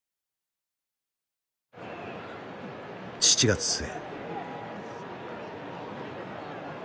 ７月末。